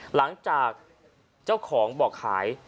หลังจากเจ้าของบอกขาย